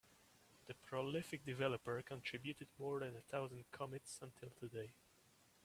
The prolific developer contributed more than a thousand commits until today.